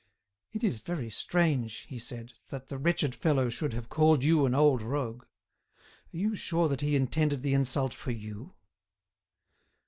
"It is very strange," he said, "that the wretched fellow should have called you an old rogue. Are you sure that he intended the insult for you?"